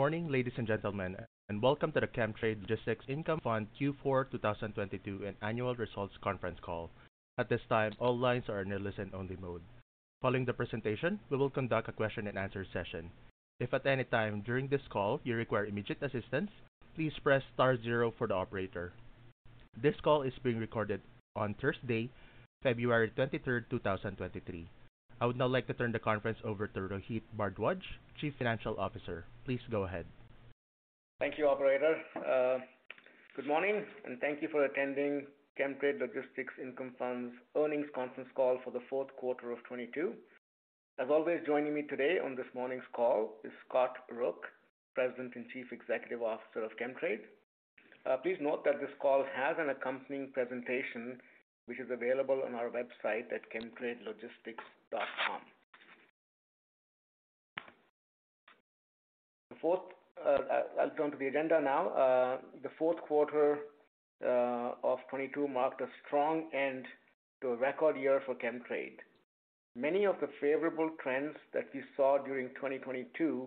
Morning, ladies and gentlemen. Welcome to the Chemtrade Logistics Income Fund Q4 2022 and Annual Results Conference Call. At this time, all lines are in listen only mode. Following the presentation, we will conduct a question and answer session. If at any time during this call you require immediate assistance, please press star zero for the operator. This call is being recorded on Thursday, February 23, 2023. I would now like to turn the conference over to Rohit Bhardwaj, Chief Financial Officer. Please go ahead. Thank you, operator. Good morning, and thank you for attending Chemtrade Logistics Income Fund's earnings conference call for the fourth quarter of 2022. As always, joining me today on this morning's call is Scott Rook, President and Chief Executive Officer of Chemtrade. Please note that this call has an accompanying presentation which is available on our website at chemtradelogistics.com. I'll turn to the agenda now. The fourth quarter of 2022 marked a strong end to a record year for Chemtrade. Many of the favorable trends that we saw during 2022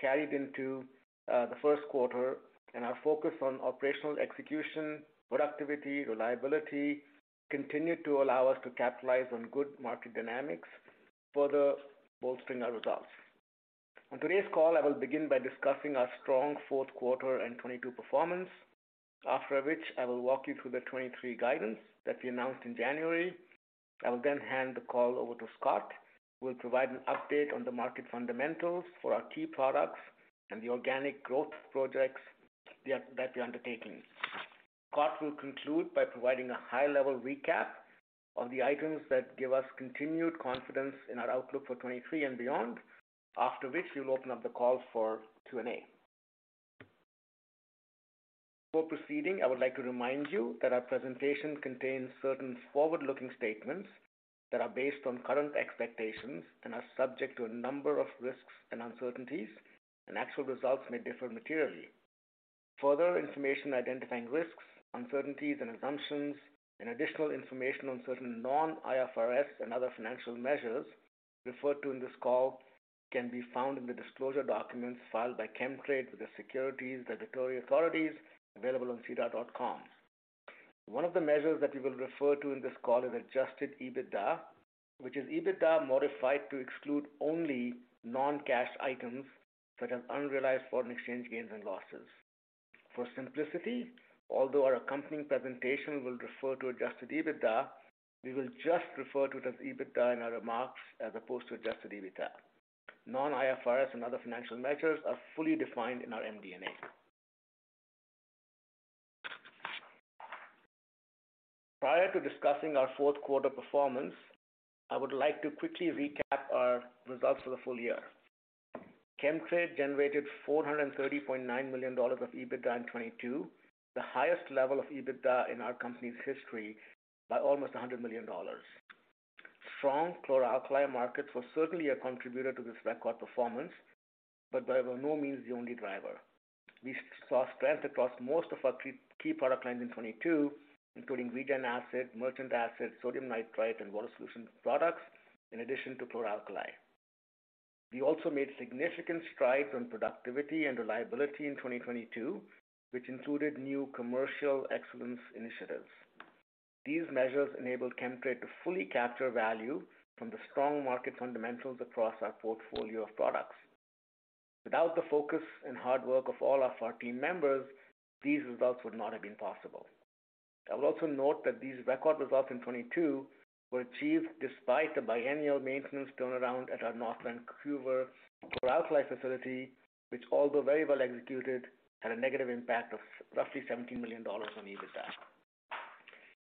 carried into the first quarter, our focus on operational execution, productivity, reliability continued to allow us to capitalize on good market dynamics, further bolstering our results. On today's call, I will begin by discussing our strong fourth quarter and 2022 performance. I will walk you through the 2023 guidance that we announced in January. I will hand the call over to Scott, who will provide an update on the market fundamentals for our key products and the organic growth projects that we're undertaking. Scott will conclude by providing a high-level recap of the items that give us continued confidence in our outlook for 2023 and beyond. We'll open up the call for Q&A. Before proceeding, I would like to remind you that our presentation contains certain forward-looking statements that are based on current expectations and are subject to a number of risks and uncertainties, and actual results may differ materially. Further information identifying risks, uncertainties, and assumptions, and additional information on certain non-IFRS and other financial measures referred to in this call can be found in the disclosure documents filed by Chemtrade with the securities regulatory authorities available on sedar.com. One of the measures that we will refer to in this call is adjusted EBITDA, which is EBITDA modified to exclude only non-cash items such as unrealized foreign exchange gains and losses. For simplicity, although our accompanying presentation will refer to adjusted EBITDA, we will just refer to it as EBITDA in our remarks as opposed to adjusted EBITDA. Non-IFRS and other financial measures are fully defined in our MD&A. Prior to discussing our fourth quarter performance, I would like to quickly recap our results for the full year. Chemtrade generated 430.9 million dollars of EBITDA in 2022, the highest level of EBITDA in our company's history by almost 100 million dollars. Strong Chlor-Alkali markets were certainly a contributor to this record performance, but they were by no means the only driver. We saw strength across most of our key product lines in 2022, including Regen Acid, Merchant Acid, sodium nitrite, and water solutions products in addition to Chlor-Alkali. We also made significant strides on productivity and reliability in 2022, which included new commercial excellence initiatives. These measures enabled Chemtrade to fully capture value from the strong market fundamentals across our portfolio of products. Without the focus and hard work of all of our team members, these results would not have been possible. I will also note that these record results in 2022 were achieved despite the biennial maintenance turnaround at our North Vancouver Chlor-Alkali facility, which, although very well executed, had a negative impact of roughly 17 million dollars on EBITDA.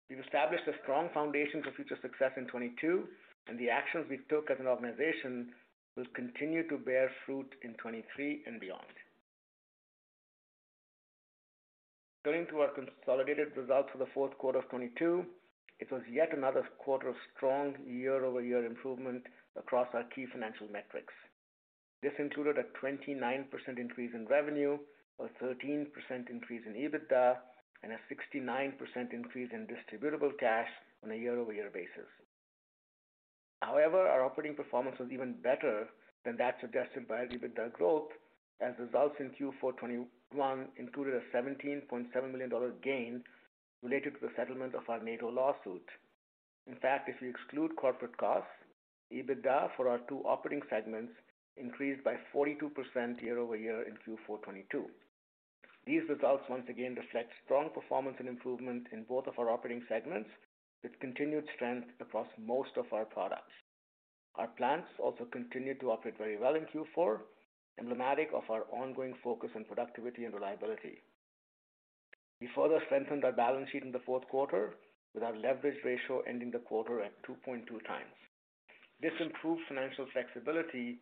We've established a strong foundation for future success in 2022, and the actions we took as an organization will continue to bear fruit in 2023 and beyond. Turning to our consolidated results for the fourth quarter of 2022, it was yet another quarter of strong year-over-year improvement across our key financial metrics. This included a 29% increase in revenue, a 13% increase in EBITDA, and a 69% increase in distributable cash on a year-over-year basis. Our operating performance was even better than that suggested by our EBITDA growth, as results in Q4 2021 included a 17.7 million dollar gain related to the settlement of our NATO lawsuit. If you exclude corporate costs, EBITDA for our two operating segments increased by 42% year-over-year in Q4 2022. These results once again reflect strong performance and improvement in both of our operating segments, with continued strength across most of our products. Our plants also continued to operate very well in Q4, emblematic of our ongoing focus on productivity and reliability. We further strengthened our balance sheet in the fourth quarter, with our leverage ratio ending the quarter at 2.2x. This improved financial flexibility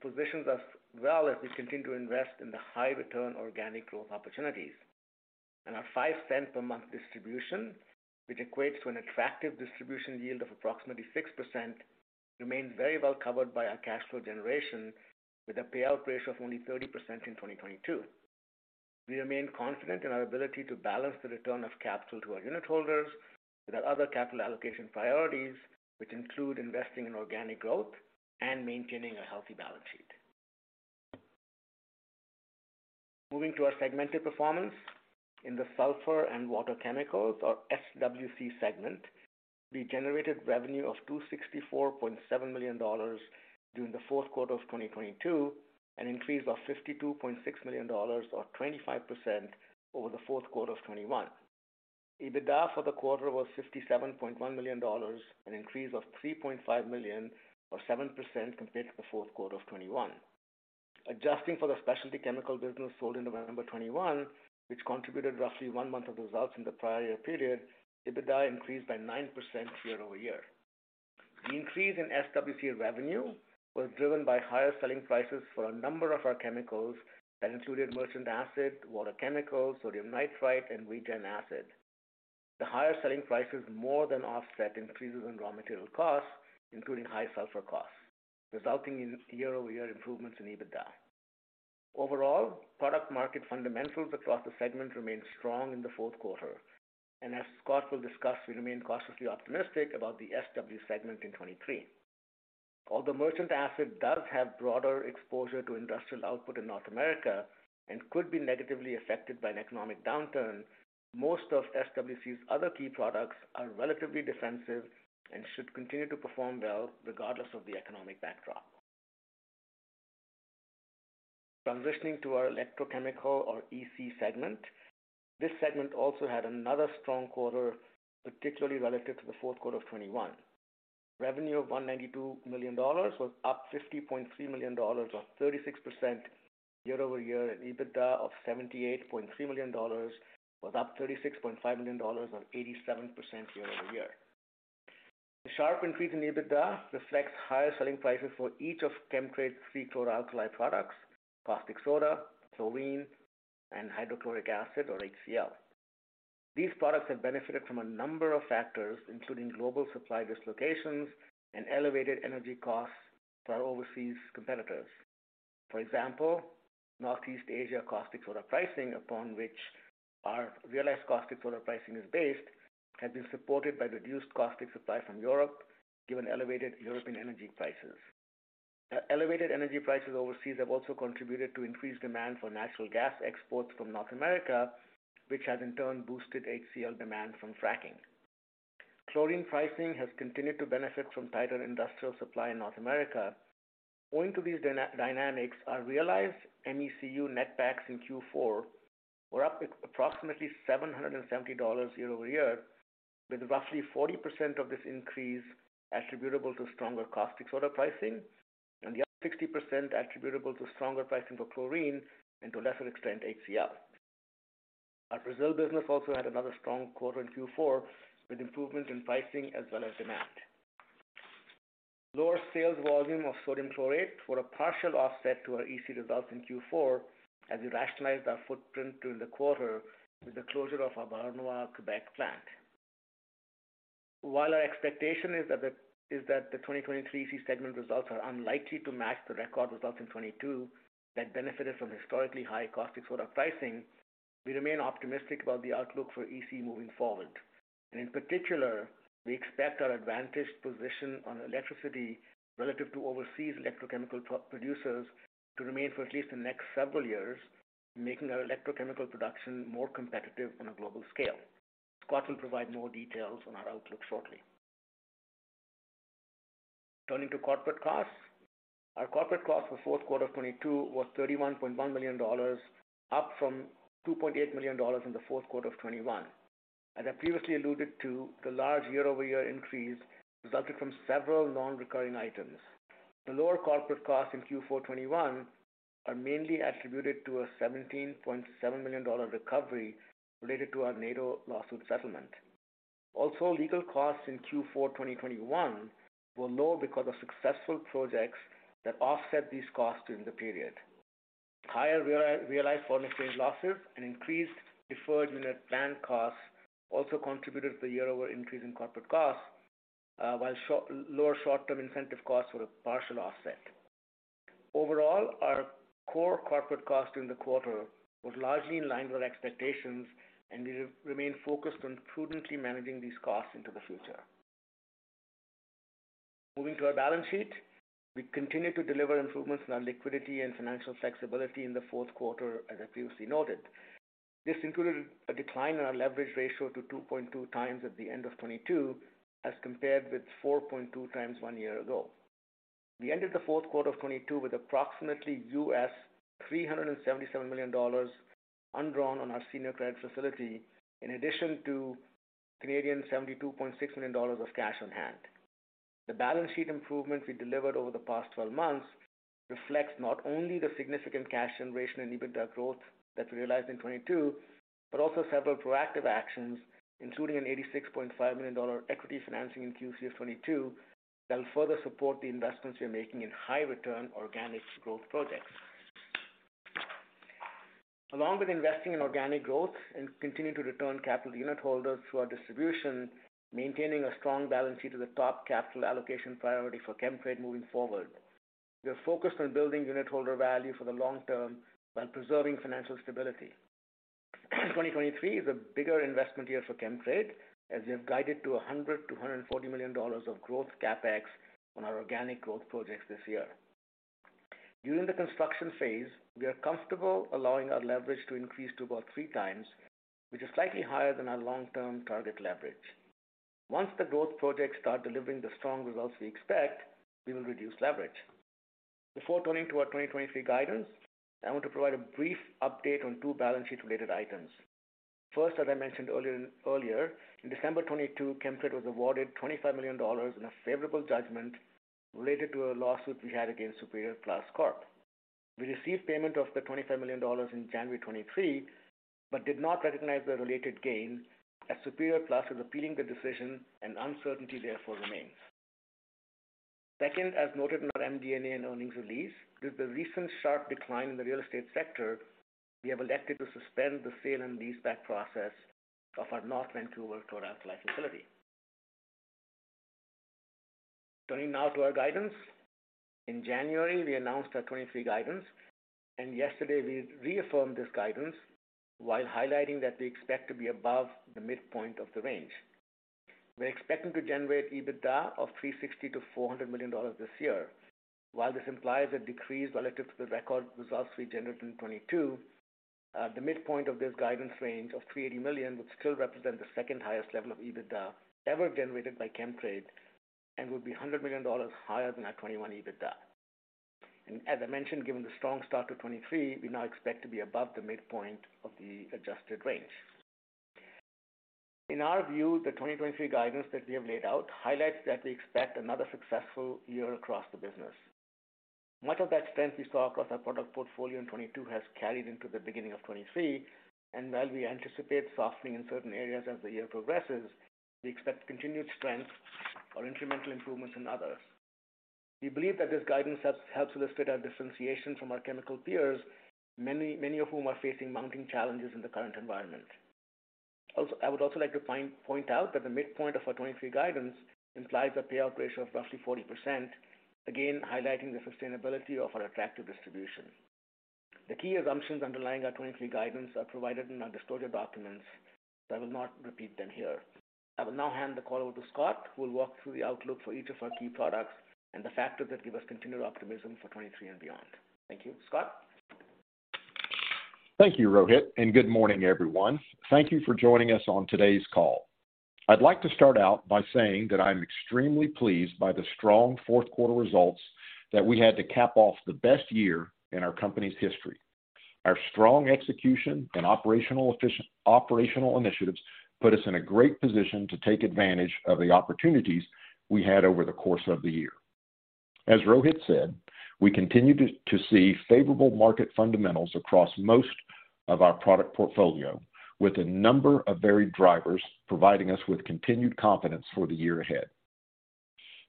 positions us well as we continue to invest in the high return organic growth opportunities. Our 0.05 per month distribution, which equates to an attractive distribution yield of approximately 6%, remains very well covered by our cash flow generation, with a payout ratio of only 30% in 2022. We remain confident in our ability to balance the return of capital to our unitholders with our other capital allocation priorities, which include investing in organic growth and maintaining a healthy balance sheet. Moving to our segmented performance. In the Sulfur and Water Chemicals, or SWC segment, we generated revenue of 264.7 million dollars during the fourth quarter of 2022, an increase of 52.6 million dollars, or 25%, over the fourth quarter of 2021. EBITDA for the quarter was 57.1 million dollars, an increase of 3.5 million or 7% compared to the fourth quarter of 2021. Adjusting for the specialty chemical business sold in November of 2021, which contributed roughly one month of results in the prior year period, EBITDA increased by 9% year-over-year. The increase in SWC revenue was driven by higher selling prices for a number of our chemicals that included merchant acid, water chemicals, sodium nitrite, and Regen Acid. The higher selling prices more than offset increases in raw material costs, including high sulfur costs, resulting in year-over-year improvements in EBITDA. Overall, product market fundamentals across the segment remained strong in the fourth quarter. As Scott will discuss, we remain cautiously optimistic about the SW segment in 2023. Although Merchant Acid does have broader exposure to industrial output in North America and could be negatively affected by an economic downturn, most of SWC's other key products are relatively defensive and should continue to perform well regardless of the economic backdrop. Transitioning to our Electrochemicals, or EC segment. This segment also had another strong quarter, particularly relative to the fourth quarter of 2021. Revenue of $192 million was up $50.3 million or 36% year-over-year, and EBITDA of $78.3 million was up $36.5 million or 87% year-over-year. The sharp increase in EBITDA reflects higher selling prices for each of Chemtrade's three Chlor-Alkali products: Caustic Soda, Chlorine, and Hydrochloric Acid or HCl. These products have benefited from a number of factors, including global supply dislocations and elevated energy costs for our overseas competitors. For example, Northeast Asia Caustic Soda pricing, upon which our realized Caustic Soda pricing is based, has been supported by reduced caustic supply from Europe, given elevated European energy prices. Elevated energy prices overseas have also contributed to increased demand for natural gas exports from North America, which has in turn boosted HCl demand from fracking. Chlorine pricing has continued to benefit from tighter industrial supply in North America. Owing to these dynamics, our realized MECU net backs in Q4 were up approximately 770 dollars year-over-year, with roughly 40% of this increase attributable to stronger Caustic Soda pricing, and the other 60% attributable to stronger pricing for Chlorine, and to a lesser extent, HCl. Our Brazil business also had another strong quarter in Q4 with improvement in pricing as well as demand. Lower sales volume of sodium chlorate were a partial offset to our EC results in Q4 as we rationalized our footprint during the quarter with the closure of our Beauharnois, Quebec plant. While our expectation is that the 2023 EC segment results are unlikely to match the record results in 2022 that benefited from historically high caustic soda pricing, we remain optimistic about the outlook for EC moving forward. In particular, we expect our advantaged position on electricity relative to overseas Electrochemicals producers to remain for at least the next several years, making our Electrochemicals production more competitive on a global scale. Scott will provide more details on our outlook shortly. Turning to corporate costs. Our corporate cost for fourth quarter of 2022 was 31.1 million dollars, up from 2.8 million dollars in the fourth quarter of 2021. As I previously alluded to, the large year-over-year increase resulted from several non-recurring items. The lower corporate costs in Q4 2021 are mainly attributed to a 17.7 million dollar recovery related to our NATO lawsuit settlement. Also, legal costs in Q4 2021 were lower because of successful projects that offset these costs during the period. Higher realized foreign exchange losses and increased Deferred Unit Plan costs also contributed to the year-over increase in corporate costs, while lower short-term incentive costs were a partial offset. Overall, our core corporate cost in the quarter was largely in line with our expectations, and we remain focused on prudently managing these costs into the future. Moving to our balance sheet. We continued to deliver improvements in our liquidity and financial flexibility in the fourth quarter, as I previously noted. This included a decline in our leverage ratio to 2.2x at the end of 2022, as compared with 4.2x one year ago. We ended the fourth quarter of 2022 with approximately $377 million undrawn on our senior credit facility, in addition to 72.6 million Canadian dollars of cash on hand. The balance sheet improvements we delivered over the past 12 months reflects not only the significant cash generation and EBITDA growth that we realized in 2022, but also several proactive actions, including a 86.5 million dollar equity financing in Q3 of 2022, that will further support the investments we are making in high return organic growth projects. Along with investing in organic growth and continuing to return capital to unitholders through our distribution, maintaining a strong balance sheet is a top capital allocation priority for Chemtrade moving forward. We are focused on building unitholder value for the long term while preserving financial stability. 2023 is a bigger investment year for Chemtrade as we have guided to 100 million-140 million dollars of growth CapEx on our organic growth projects this year. During the construction phase, we are comfortable allowing our leverage to increase to about 3x, which is slightly higher than our long-term target leverage. Once the growth projects start delivering the strong results we expect, we will reduce leverage. Before turning to our 2023 guidance, I want to provide a brief update on two balance sheet related items. First, as I mentioned earlier, in December 2022, Chemtrade was awarded CAD 25 million in a favorable judgment related to a lawsuit we had against Superior Plus Corp. We received payment of the 25 million dollars in January 2023. Did not recognize the related gain as Superior Plus is appealing the decision and uncertainty therefore remains. Second, as noted in our MD&A and earnings release, due to the recent sharp decline in the real estate sector, we have elected to suspend the sale and leaseback process of our North Vancouver Chlor-Alkali facility. Turning now to our guidance. In January, we announced our 2023 guidance. Yesterday we reaffirmed this guidance while highlighting that we expect to be above the midpoint of the range. We're expecting to generate EBITDA of 360 million-400 million dollars this year. While this implies a decrease relative to the record results we generated in 2022, the midpoint of this guidance range of 380 million would still represent the second highest level of EBITDA ever generated by Chemtrade and would be 100 million dollars higher than our 2021 EBITDA. As I mentioned, given the strong start to 2023, we now expect to be above the midpoint of the adjusted range. In our view, the 2023 guidance that we have laid out highlights that we expect another successful year across the business. Much of that strength we saw across our product portfolio in 2022 has carried into the beginning of 2023, and while we anticipate softening in certain areas as the year progresses, we expect continued strength or incremental improvements in others. We believe that this guidance helps illustrate our differentiation from our chemical peers, many of whom are facing mounting challenges in the current environment. I would also like to point out that the midpoint of our 2023 guidance implies a payout ratio of roughly 40%, again highlighting the sustainability of our attractive distribution. The key assumptions underlying our 2023 guidance are provided in our disclosure documents, I will not repeat them here. I will now hand the call over to Scott, who will walk through the outlook for each of our key products and the factors that give us continued optimism for 2023 and beyond. Thank you. Scott? Thank you, Rohit. Good morning, everyone. Thank you for joining us on today's call. I'd like to start out by saying that I'm extremely pleased by the strong fourth quarter results that we had to cap off the best year in our company's history. Our strong execution and operational initiatives put us in a great position to take advantage of the opportunities we had over the course of the year. As Rohit said, we continue to see favorable market fundamentals across most of our product portfolio, with a number of varied drivers providing us with continued confidence for the year ahead.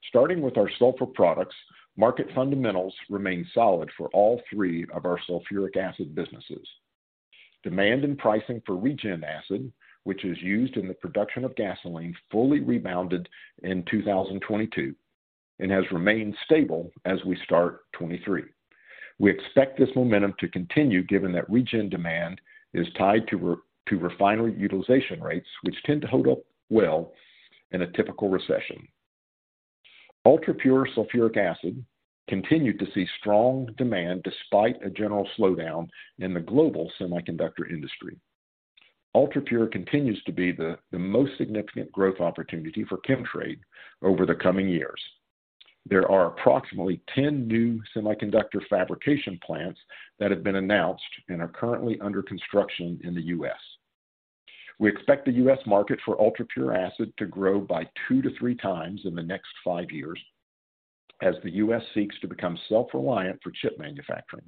Starting with our sulfur products, market fundamentals remain solid for all three of our sulfuric acid businesses. Demand and pricing for Regen Acid, which is used in the production of gasoline, fully rebounded in 2022 and has remained stable as we start 2023. We expect this momentum to continue, given that Regen demand is tied to refinery utilization rates, which tend to hold up well in a typical recession. UltraPure Sulphuric Acid continued to see strong demand despite a general slowdown in the global semiconductor industry. UltraPure continues to be the most significant growth opportunity for Chemtrade over the coming years. There are approximately 10 new semiconductor fabrication plants that have been announced and are currently under construction in the U.S. We expect the U.S. market for UltraPure acid to grow by 2x to 3x in the next five years as the U.S. seeks to become self-reliant for chip manufacturing.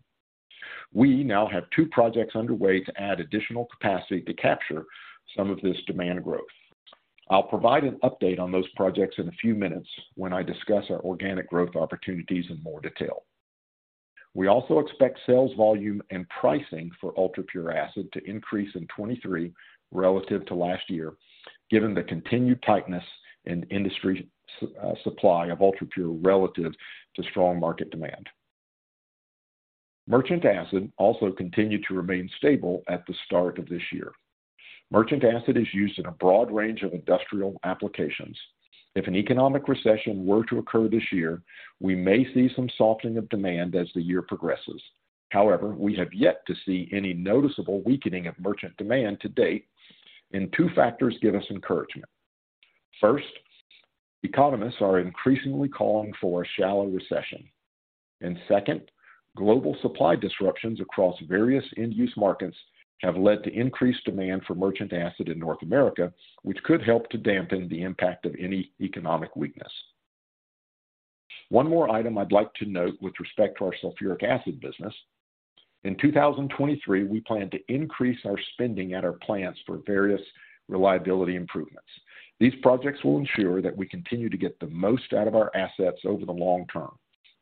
We now have two projects underway to add additional capacity to capture some of this demand growth. I'll provide an update on those projects in a few minutes when I discuss our organic growth opportunities in more detail. We also expect sales volume and pricing for UltraPure acid to increase in 2023 relative to last year, given the continued tightness in industry supply of ultrapure relative to strong market demand. Merchant Acid also continued to remain stable at the start of this year. Merchant Acid is used in a broad range of industrial applications. If an economic recession were to occur this year, we may see some softening of demand as the year progresses. However, we have yet to see any noticeable weakening of merchant demand to date, and two factors give us encouragement. First, economists are increasingly calling for a shallow recession. Second, global supply disruptions across various end-use markets have led to increased demand for Merchant Acid in North America, which could help to dampen the impact of any economic weakness. One more item I'd like to note with respect to our sulfuric acid business. In 2023, we plan to increase our spending at our plants for various reliability improvements. These projects will ensure that we continue to get the most out of our assets over the long term,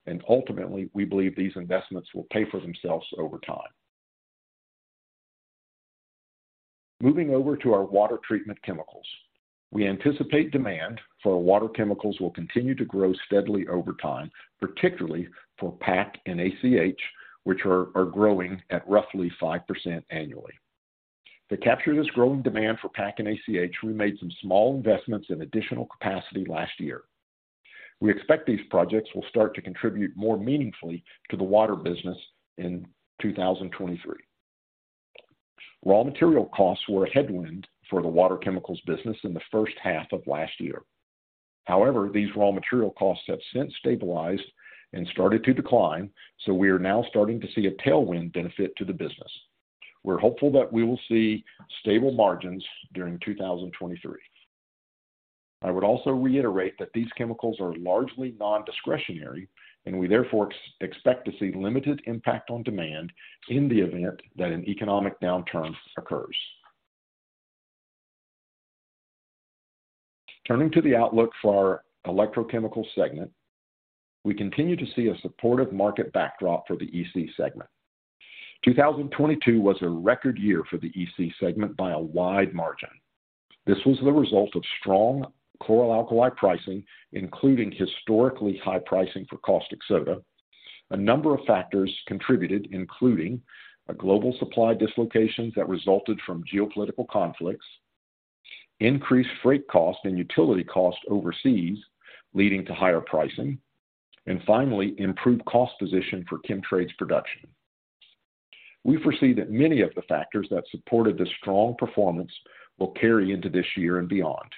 and ultimately, we believe these investments will pay for themselves over time. Moving over to our water treatment chemicals. We anticipate demand for water chemicals will continue to grow steadily over time, particularly for PAC and ACH, which are growing at roughly 5% annually. To capture this growing demand for PAC and ACH, we made some small investments in additional capacity last year. We expect these projects will start to contribute more meaningfully to the water business in 2023. Raw material costs were a headwind for the water chemicals business in the first half of last year. These raw material costs have since stabilized and started to decline, we are now starting to see a tailwind benefit to the business. We're hopeful that we will see stable margins during 2023. I would also reiterate that these chemicals are largely nondiscretionary, we therefore expect to see limited impact on demand in the event that an economic downturn occurs. Turning to the outlook for our Electrochemicals segment. We continue to see a supportive market backdrop for the EC segment. 2022 was a record year for the EC segment by a wide margin. This was the result of strong Chlor-Alkali pricing, including historically high pricing for Caustic Soda. A number of factors contributed, including a global supply dislocations that resulted from geopolitical conflicts, increased freight costs and utility costs overseas, leading to higher pricing, and finally, improved cost position for Chemtrade's production. We foresee that many of the factors that supported this strong performance will carry into this year and beyond.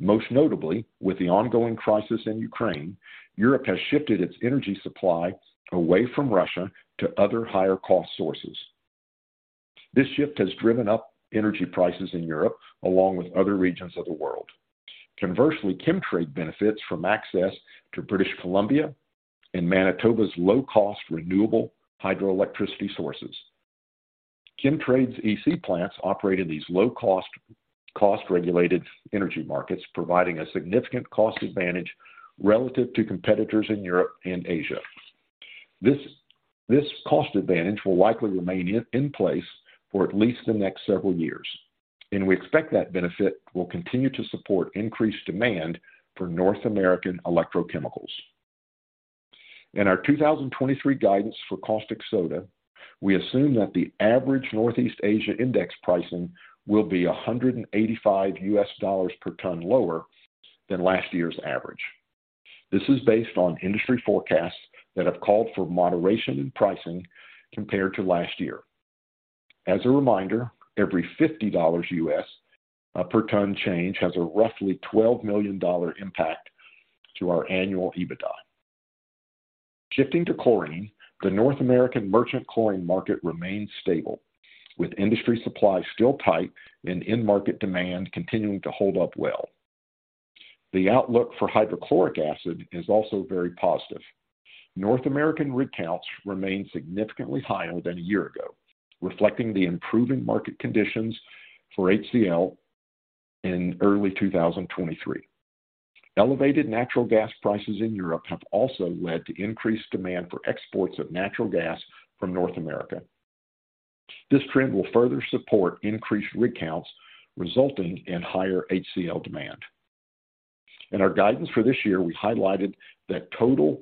Most notably, with the ongoing crisis in Ukraine, Europe has shifted its energy supply away from Russia to other higher cost sources. This shift has driven up energy prices in Europe, along with other regions of the world. Conversely, Chemtrade benefits from access to British Columbia and Manitoba's low-cost, renewable hydroelectricity sources. Chemtrade's EC plants operate in these low-cost, cost-regulated energy markets, providing a significant cost advantage relative to competitors in Europe and Asia. This cost advantage will likely remain in place for at least the next several years. We expect that benefit will continue to support increased demand for North American Electrochemicals. In our 2023 guidance for Caustic Soda, we assume that the average Northeast Asia index pricing will be $185 per ton lower than last year's average. This is based on industry forecasts that have called for moderation in pricing compared to last year. As a reminder, every $50 per ton change has a roughly $12 million impact to our annual EBITDA. Shifting to Chlorine, the North American merchant Chlorine market remains stable, with industry supply still tight and end market demand continuing to hold up well. The outlook for Hydrochloric Acid is also very positive. North American rig counts remain significantly higher than a year ago, reflecting the improving market conditions for HCl in early 2023. Elevated natural gas prices in Europe have also led to increased demand for exports of natural gas from North America. This trend will further support increased rig counts resulting in higher HCl demand. In our guidance for this year, we highlighted that total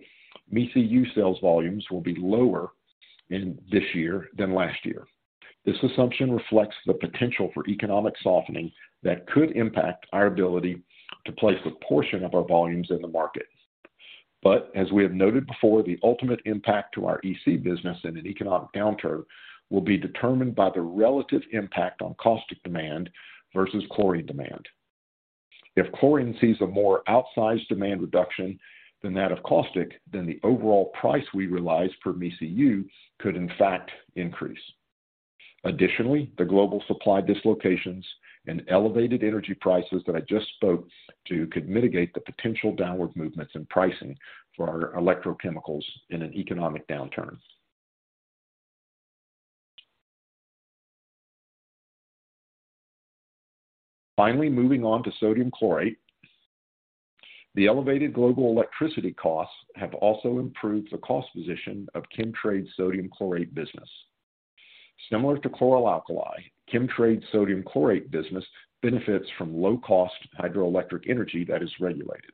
MECU sales volumes will be lower in this year than last year. This assumption reflects the potential for economic softening that could impact our ability to place a portion of our volumes in the market. As we have noted before, the ultimate impact to our EC business in an economic downturn will be determined by the relative impact on caustic demand versus Chlorine demand. If chlorine sees a more outsized demand reduction than that of caustic, then the overall price we realize per MECU could in fact increase. Additionally, the global supply dislocations and elevated energy prices that I just spoke to could mitigate the potential downward movements in pricing for our Electrochemicals in an economic downturn. Finally, moving on to sodium chlorate. The elevated global electricity costs have also improved the cost position of Chemtrade's sodium chlorate business. Similar to Chlor-Alkali, Chemtrade's sodium chlorate business benefits from low-cost hydroelectric energy that is regulated.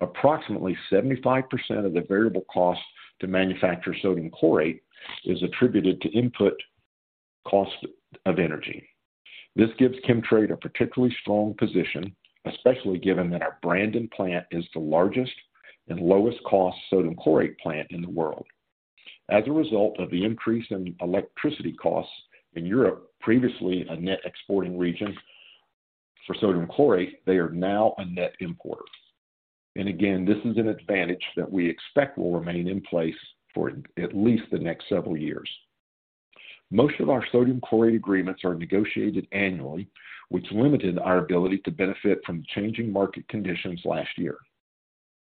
Approximately 75% of the variable cost to manufacture sodium chlorate is attributed to input cost of energy. This gives Chemtrade a particularly strong position, especially given that our Brandon plant is the largest and lowest cost sodium chlorate plant in the world. As a result of the increase in electricity costs in Europe, previously a net exporting region for Sodium Chlorate, they are now a net importer. Again, this is an advantage that we expect will remain in place for at least the next several years. Most of our Sodium Chlorate agreements are negotiated annually, which limited our ability to benefit from changing market conditions last year.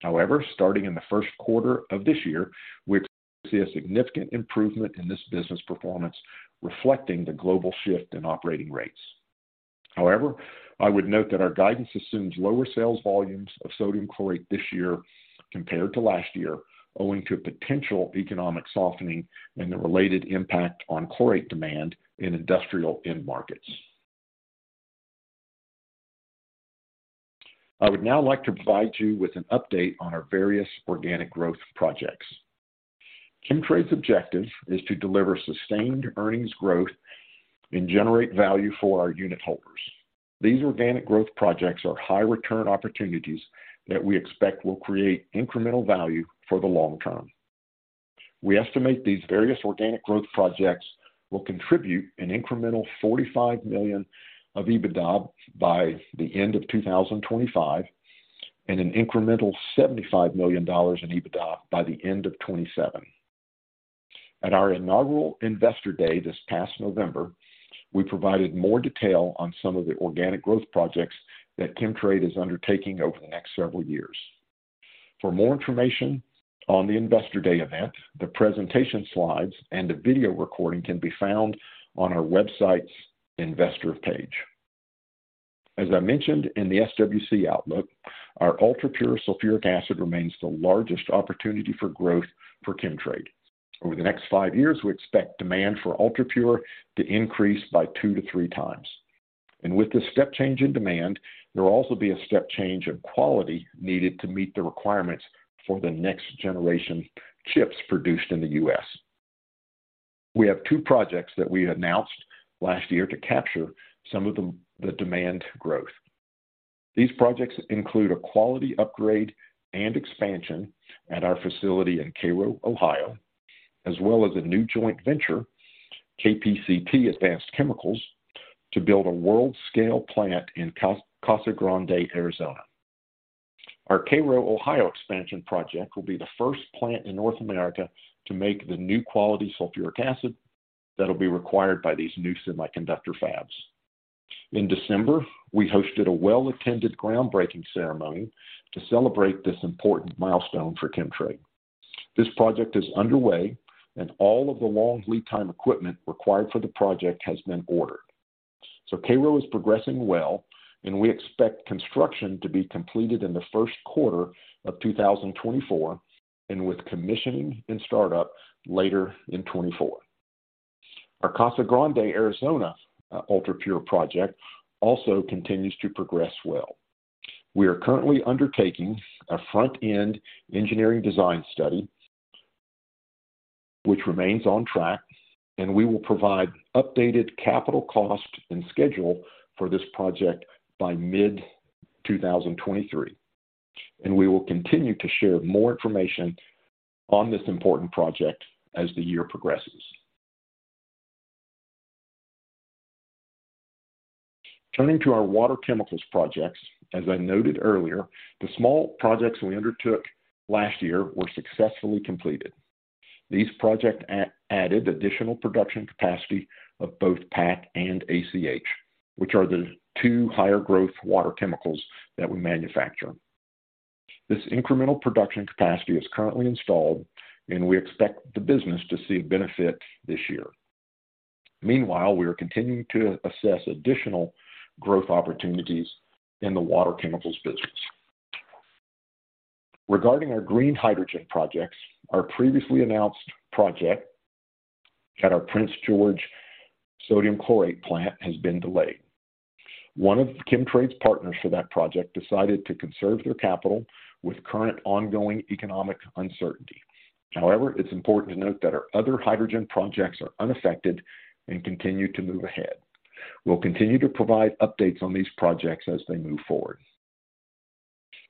However, starting in the first quarter of this year, we expect to see a significant improvement in this business performance reflecting the global shift in operating rates. However, I would note that our guidance assumes lower sales volumes of Sodium Chlorate this year compared to last year, owing to a potential economic softening and the related impact on Chlorate demand in industrial end markets. I would now like to provide you with an update on our various organic growth projects. Chemtrade's objective is to deliver sustained earnings growth and generate value for our unitholders. These organic growth projects are high return opportunities that we expect will create incremental value for the long term. We estimate these various organic growth projects will contribute an incremental 45 million of EBITDA by the end of 2025 and an incremental 75 million dollars in EBITDA by the end of 2027. At our inaugural Investor Day this past November, we provided more detail on some of the organic growth projects that Chemtrade is undertaking over the next several years. For more information on the Investor Day event, the presentation slides and a video recording can be found on our website's Investor page. As I mentioned in the SWC outlook, our UltraPure Sulphuric Acid remains the largest opportunity for growth for Chemtrade. Over the next five years, we expect demand for UltraPure to increase by 2x-3x. With this step change in demand, there will also be a step change in quality needed to meet the requirements for the next generation chips produced in the U.S. We have two projects that we announced last year to capture some of the demand growth. These projects include a quality upgrade and expansion at our facility in Cairo, Ohio, as well as a new joint venture, KPCT Advanced Chemicals, to build a world-scale plant in Casa Grande, Arizona. Our Cairo, Ohio expansion project will be the first plant in North America to make the new quality sulfuric acid that will be required by these new semiconductor fabs. In December, we hosted a well-attended groundbreaking ceremony to celebrate this important milestone for Chemtrade. This project is underway, and all of the long lead time equipment required for the project has been ordered. Cairo is progressing well, and we expect construction to be completed in the first quarter of 2024, and with commissioning and startup later in 2024. Our Casa Grande, Arizona UltraPure project also continues to progress well. We are currently undertaking a Front-End Engineering Design study which remains on track, and we will provide updated capital cost and schedule for this project by mid 2023. We will continue to share more information on this important project as the year progresses. Turning to our water chemicals projects, as I noted earlier, the small projects we undertook last year were successfully completed. These project added additional production capacity of both PAC and ACH, which are the two higher growth water chemicals that we manufacture. This incremental production capacity is currently installed, and we expect the business to see benefit this year. We are continuing to assess additional growth opportunities in the water chemicals business. Regarding our green hydrogen projects, our previously announced project at our Prince George sodium chlorate plant has been delayed. One of Chemtrade's partners for that project decided to conserve their capital with current ongoing economic uncertainty. It's important to note that our other hydrogen projects are unaffected and continue to move ahead. We'll continue to provide updates on these projects as they move forward.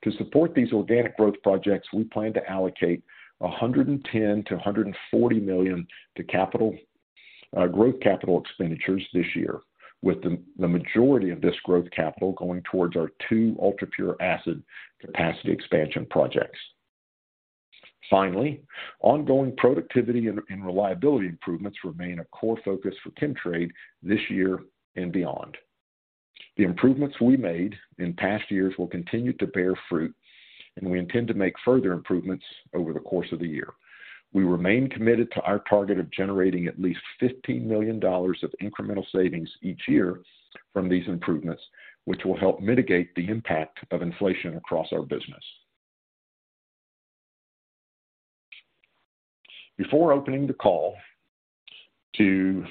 To support these organic growth projects, we plan to allocate 110 million-140 million to growth capital expenditures this year, with the majority of this growth capital going towards our two UltraPure acid capacity expansion projects. Finally, ongoing productivity and reliability improvements remain a core focus for Chemtrade this year and beyond. The improvements we made in past years will continue to bear fruit. We intend to make further improvements over the course of the year. We remain committed to our target of generating at least 15 million dollars of incremental savings each year from these improvements, which will help mitigate the impact of inflation across our business. Before opening the call to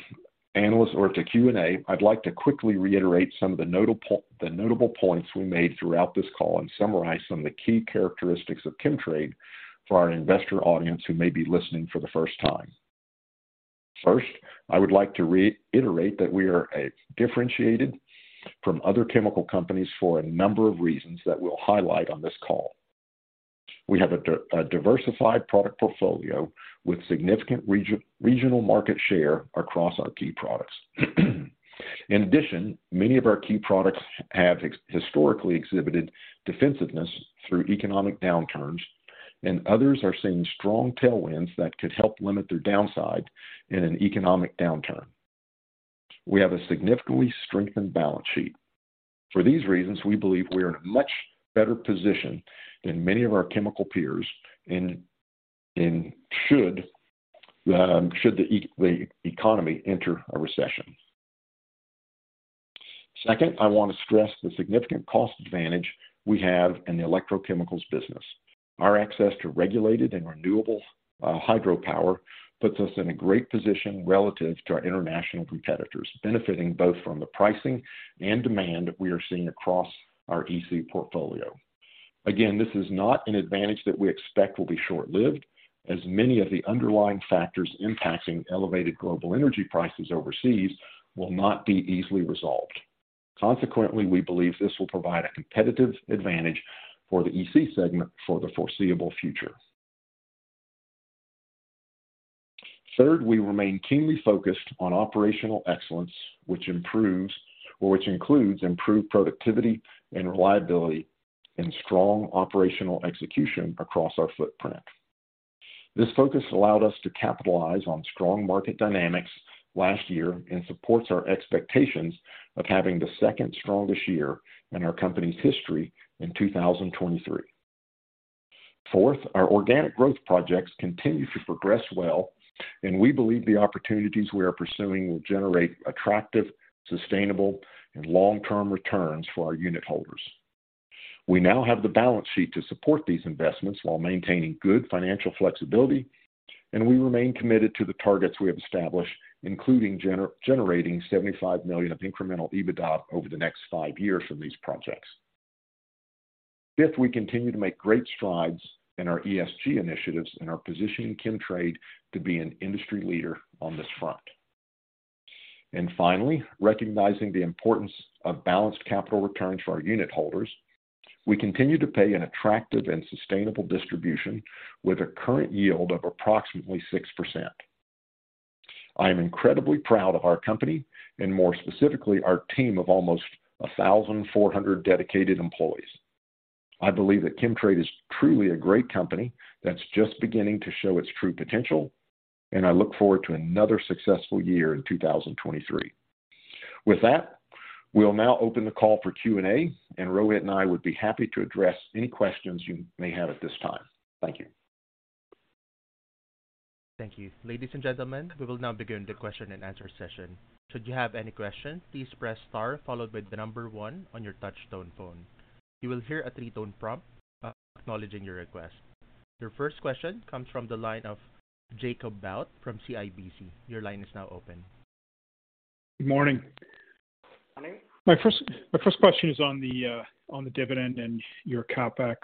analysts or to Q&A, I'd like to quickly reiterate some of the notable points we made throughout this call and summarize some of the key characteristics of Chemtrade for our investor audience who may be listening for the first time. I would like to reiterate that we are differentiated from other chemical companies for a number of reasons that we'll highlight on this call. We have a diversified product portfolio with significant regional market share across our key products. In addition, many of our key products have historically exhibited defensiveness through economic downturns, and others are seeing strong tailwinds that could help limit their downside in an economic downturn. We have a significantly strengthened balance sheet. For these reasons, we believe we are in a much better position than many of our chemical peers and should the economy enter a recession. Second, I wanna stress the significant cost advantage we have in the Electrochemicals business. Our access to regulated and renewable hydropower puts us in a great position relative to our international competitors, benefiting both from the pricing and demand we are seeing across our EC portfolio. Again, this is not an advantage that we expect will be short-lived, as many of the underlying factors impacting elevated global energy prices overseas will not be easily resolved. Consequently, we believe this will provide a competitive advantage for the EC segment for the foreseeable future. Third, we remain keenly focused on operational excellence, which includes improved productivity and reliability and strong operational execution across our footprint. This focus allowed us to capitalize on strong market dynamics last year and supports our expectations of having the second strongest year in our company's history in 2023. Fourth, our organic growth projects continue to progress well, and we believe the opportunities we are pursuing will generate attractive, sustainable, and long-term returns for our unit holders. We now have the balance sheet to support these investments while maintaining good financial flexibility, and we remain committed to the targets we have established, including generating 75 million of incremental EBITDA over the next five years from these projects. Fifth, we continue to make great strides in our ESG initiatives, and are positioning Chemtrade to be an industry leader on this front. Finally, recognizing the importance of balanced capital returns for our unit holders, we continue to pay an attractive and sustainable distribution with a current yield of approximately 6%. I am incredibly proud of our company and more specifically, our team of almost 1,400 dedicated employees. I believe that Chemtrade is truly a great company that's just beginning to show its true potential, and I look forward to another successful year in 2023. With that, we'll now open the call for Q&A, and Rohit and I would be happy to address any questions you may have at this time. Thank you. Thank you. Ladies and gentlemen, we will now begin the question and answer session. Should you have any question, please press star followed by one on your touch tone phone. You will hear a three-tone prompt acknowledging your request. Your first question comes from the line of Jacob Bout from CIBC. Your line is now open. Good morning. Morning. My first question is on the dividend and your CapEx.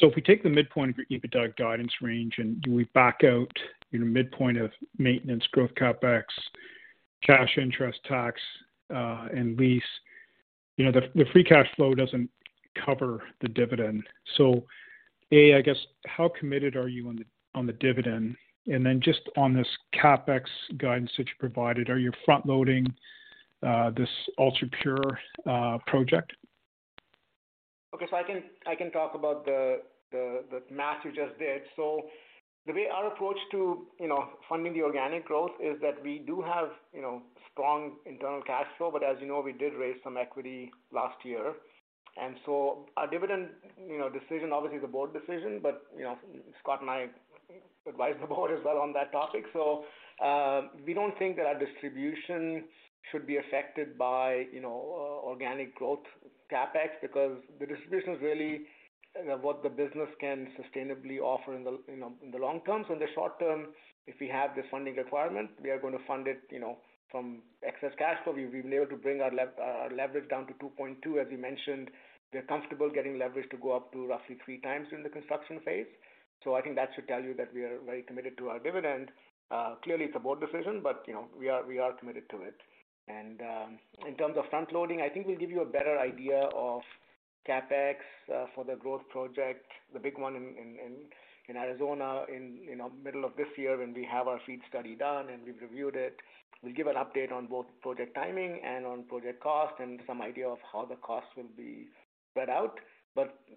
If we take the midpoint of your EBITDA guidance range, and we back out your midpoint of maintenance growth CapEx, cash interest tax and lease, you know, the free cash flow doesn't cover the dividend. A, I guess, how committed are you on the dividend? Just on this CapEx guidance that you provided, are you front loading this ultrapure project? Okay. I can talk about the math you just did. The way our approach to, you know, funding the organic growth is that we do have, you know, strong internal cash flow. As you know, we did raise some equity last year. Our dividend, you know, decision obviously is a board decision. You know, Scott and I advise the board as well on that topic. We don't think that our distribution should be affected by, you know, organic growth CapEx because the distribution is really what the business can sustainably offer in the, you know, in the long term. In the short term, if we have this funding requirement, we are going to fund it, you know, from excess cash flow. We've been able to bring our leverage down to 2.2x as we mentioned. We are comfortable getting leverage to go up to roughly 3x in the construction phase. I think that should tell you that we are very committed to our dividend. Clearly it's a board decision, but, you know, we are committed to it. In terms of front loading, I think we'll give you a better idea of CapEx for the growth project, the big one in Arizona in, you know, middle of this year when we have our FEED study done and we've reviewed it. We'll give an update on both project timing and on project cost and some idea of how the costs will be spread out.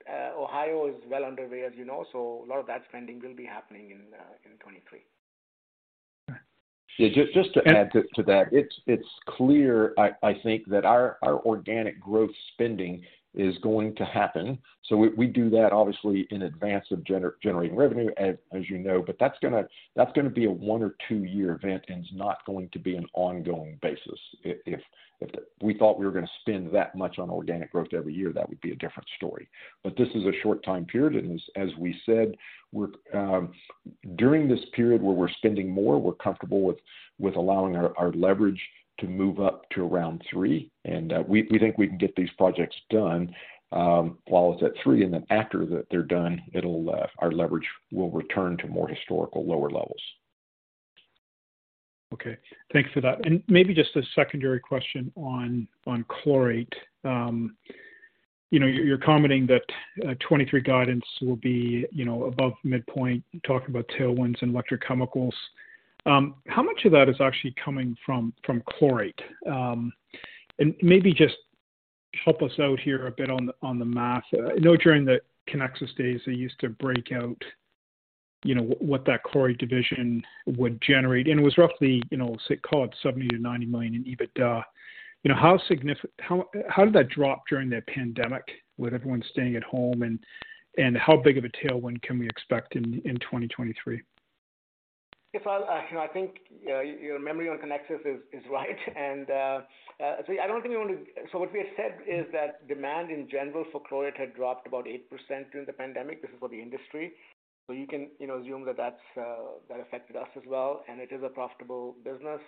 Ohio is well underway, as you know. A lot of that spending will be happening in 2023. All right. Yeah. Just to add to that. It's clear I think that our organic growth spending is going to happen. We do that obviously in advance of generating revenue as you know. That's gonna be a one or two-year event, and it's not going to be an ongoing basis. If we thought we were gonna spend that much on organic growth every year, that would be a different story. This is a short time period, and as we said, we're during this period where we're spending more, we're comfortable with allowing our leverage to move up to around 3x. We think we can get these projects done while it's at 3x, and then after that they're done it'll our leverage will return to more historical lower levels. Okay. Thanks for that. Maybe just a secondary question on chlorate. You know, you're commenting that 2023 guidance will be, you know, above midpoint, talking about tailwinds in Electrochemicals. How much of that is actually coming from chlorate? Maybe just help us out here a bit on the math. I know during the Canexus days, they used to break out, you know, what that chlorate division would generate, and it was roughly, you know, say call it 70 million-90 million in EBITDA. You know, how did that drop during the pandemic with everyone staying at home and how big of a tailwind can we expect in 2023? Yes, you know, I think your memory on Canexus is right. So I don't think we want to. So what we have said is that demand in general for chlorate had dropped about 8% during the pandemic. This is for the industry. You can, you know, assume that that's that affected us as well, and it is a profitable business.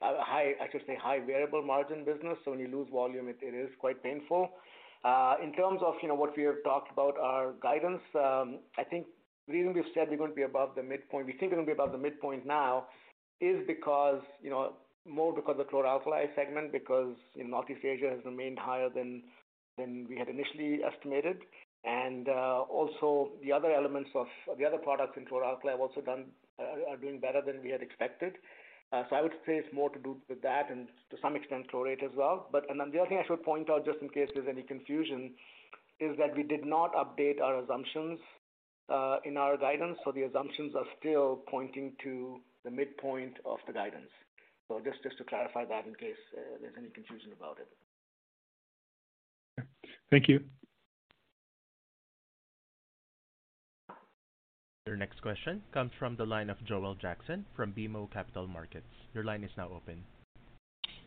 High variable margin business, so when you lose volume, it is quite painful. In terms of, you know, what we have talked about our guidance, I think the reason we've said we think we're gonna be above the midpoint now is because, you know, more because the Chlor-Alkali segment, because, you know, Northeast Asia has remained higher than we had initially estimated. Also the other products in Chlor-Alkali are doing better than we had expected. I would say it's more to do with that and to some extent chlorate as well. The other thing I should point out, just in case there's any confusion, is that we did not update our assumptions in our guidance. Just to clarify that in case there's any confusion about it. Thank you. Your next question comes from the line of Joel Jackson from BMO Capital Markets. Your line is now open.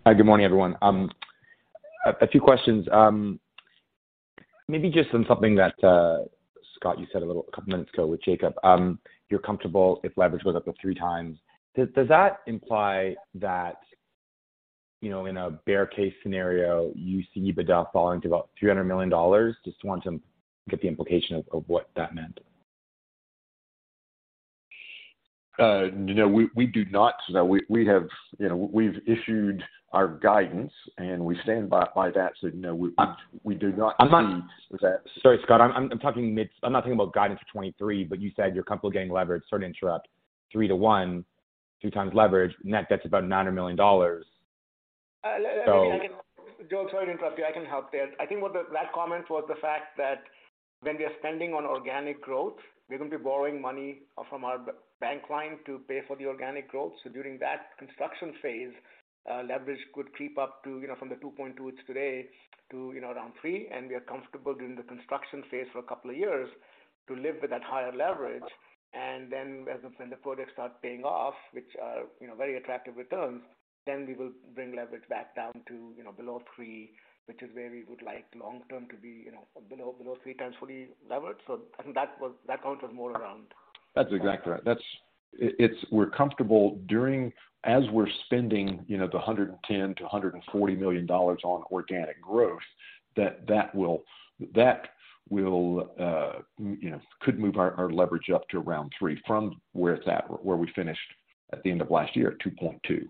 Hi. Good morning, everyone. A few questions. Maybe just on something that Scott, you said a couple minutes ago with Jacob. You're comfortable if leverage goes up to 3x. Does that imply that, you know, in a bear case scenario, you see EBITDA falling to about 300 million dollars? Just want to get the implication of what that meant. No, we do not. No, we have You know, we've issued our guidance. We stand by that. No. We do not see that. Sorry, Scott. I'm talking about guidance for 2023, you said you're comfortable getting leverage, sorry to interrupt, 3x to 1x, 2x leverage. Net, that's about CAD 900 million. I mean, Joel, sorry to interrupt you. I can help there. I think what that comment was the fact that when we are spending on organic growth, we're gonna be borrowing money from our bank line to pay for the organic growth. During that construction phase, leverage could creep up to, you know, from the 2.2x it's today to, you know, around 3x. We are comfortable during the construction phase for a couple of years to live with that higher leverage. As and when the projects start paying off, which are, you know, very attractive returns, we will bring leverage back down to, you know, below 3x, which is where we would like long-term to be, you know, below 3x fully levered. I think that comment was more around. That's exactly right. It's we're comfortable as we're spending, you know, the 110 million-140 million dollars on organic growth, that will, you know, could move our leverage up to around 3x from where it's at, where we finished at the end of last year at 2.2x.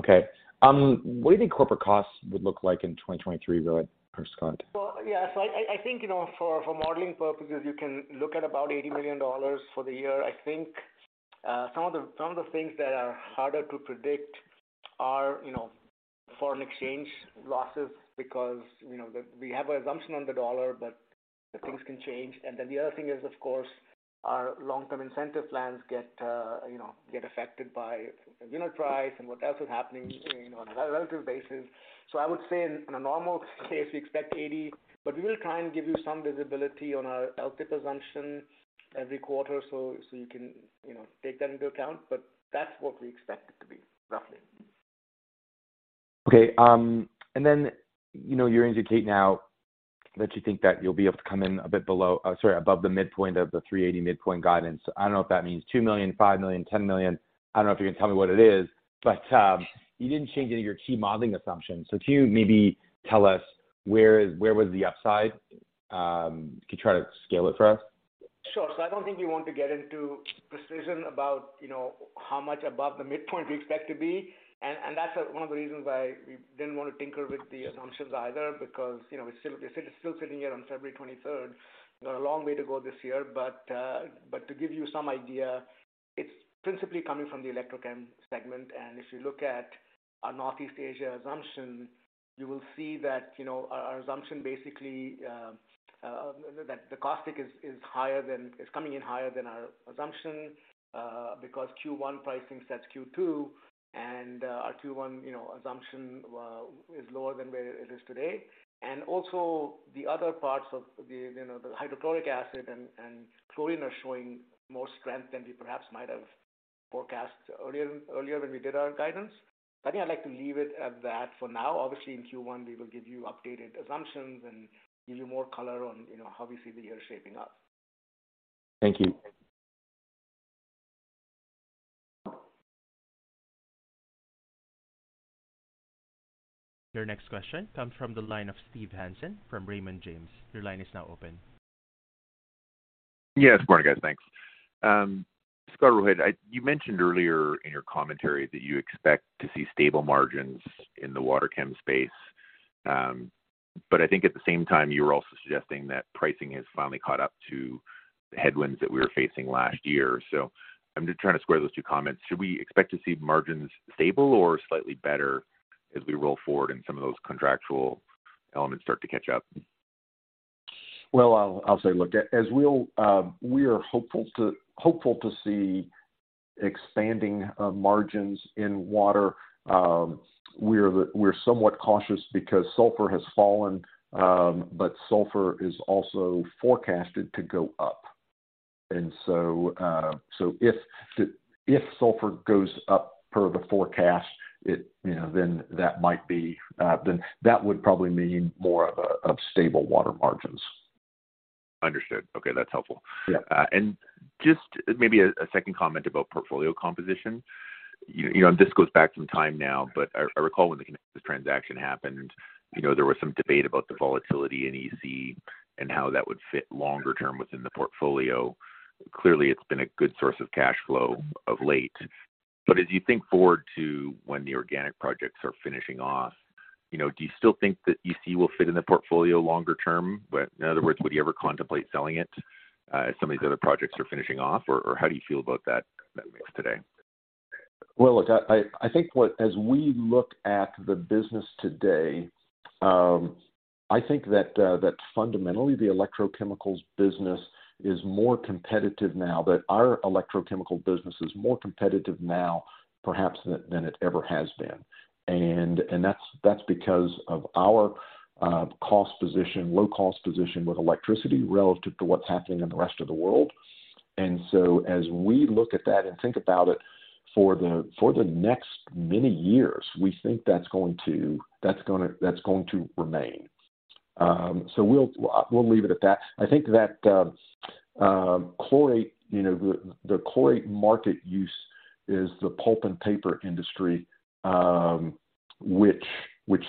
Okay. What do you think corporate costs would look like in 2023, Rohit or Scott? Well, yeah. I think, you know, for modeling purposes, you can look at about 80 million dollars for the year. I think, some of the, some of the things that are harder to predict are, you know, foreign exchange losses because, you know, we have an assumption on the dollar, but things can change. The other thing is, of course, our long-term incentive plans get, you know, get affected by aluminum price and what else is happening, you know, on a relative basis. I would say in a normal case, we expect 80 million, but we will try and give you some visibility on our LTIP assumption every quarter so you can, you know, take that into account. But that's what we expect it to be, roughly. Okay. Then, you know, you indicate now that you think that you'll be able to come in a bit above the midpoint of the 380 million midpoint guidance. I don't know if that means 2 million, 5 million, 10 million. I don't know if you can tell me what it is. You didn't change any of your key modeling assumptions. Can you maybe tell us where was the upside? Can you try to scale it for us? Sure. I don't think we want to get into precision about, you know, how much above the midpoint we expect to be. And that's one of the reasons why we didn't want to tinker with the assumptions either, because, you know, it's still sitting here on February 23rd. We've got a long way to go this year. To give you some idea, it's principally coming from the Electrochemicals segment. If you look at our Northeast Asia assumption, you will see that, you know, our assumption basically that the caustic is coming in higher than our assumption, because Q1 pricing sets Q2, and our Q1, you know, assumption is lower than where it is today. Also the other parts of the, you know, the Hydrochloric Acid and Chlorine are showing more strength than we perhaps might have forecast earlier when we did our guidance. I think I'd like to leave it at that for now. Obviously, in Q1, we will give you updated assumptions and give you more color on, you know, how we see the year shaping up. Thank you. Your next question comes from the line of Steve Hansen from Raymond James. Your line is now open. Good morning, guys. Thanks. Scott, Rohit, you mentioned earlier in your commentary that you expect to see stable margins in the water chem space. I think at the same time, you were also suggesting that pricing has finally caught up to the headwinds that we were facing last year. I'm just trying to square those two comments. Should we expect to see margins stable or slightly better as we roll forward and some of those contractual elements start to catch up? Well, I'll say, look, as we'll we are hopeful to see expanding margins in water. We're somewhat cautious because sulfur has fallen, but sulfur is also forecasted to go up. If sulfur goes up per the forecast, it, you know, then that might be, then that would probably mean more of a stable water margins. Understood. Okay, that's helpful. Yeah. Just maybe a second comment about portfolio composition. You know, this goes back some time now, but I recall when the Canexus transaction happened, you know, there was some debate about the volatility in EC and how that would fit longer term within the portfolio. Clearly, it's been a good source of cash flow of late. As you think forward to when the organic projects are finishing off, you know, do you still think that EC will fit in the portfolio longer term? In other words, would you ever contemplate selling it, as some of these other projects are finishing off? Or how do you feel about that mix today? Well, look, I think as we look at the business today, I think that fundamentally our Electrochemicals business is more competitive now perhaps than it ever has been. That's because of our low cost position with electricity relative to what's happening in the rest of the world. As we look at that and think about it for the next many years, we think that's going to remain. We'll leave it at that. I think that chlorate, you know, the chlorate market use is the pulp and paper industry, which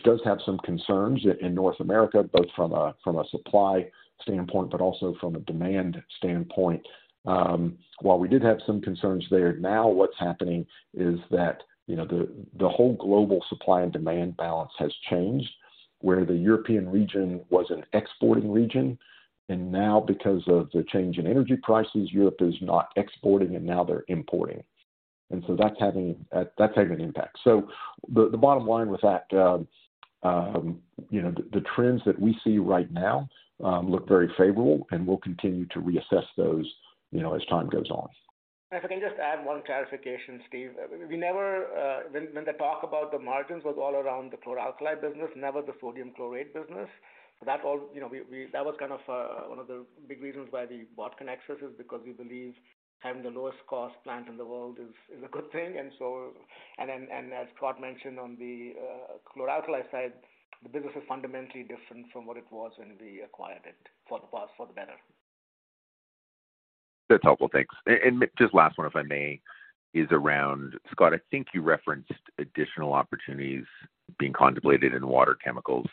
does have some concerns in North America, both from a supply standpoint, but also from a demand standpoint. While we did have some concerns there, now what's happening is that, you know, the whole global supply and demand balance has changed. Where the European region was an exporting region, and now because of the change in energy prices, Europe is not exporting and now they're importing. That's having an impact. The bottom line with that, you know, the trends that we see right now, look very favorable, and we'll continue to reassess those, you know, as time goes on. If I can just add one clarification, Steve. We never, when the talk about the margins was all around the Chlor-Alkali business, never the sodium chlorate business. That all, you know, we-- That was kind of one of the big reasons why we bought Canexus is because we believe having the lowest cost plant in the world is a good thing. And then, and as Scott mentioned on the Chlor-Alkali side, the business is fundamentally different from what it was when we acquired it for the better. That's helpful. Thanks. Just last one, if I may, is around, Scott, I think you referenced additional opportunities being contemplated in water chemicals,